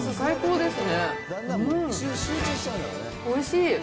おいしい！